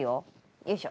よいしょ。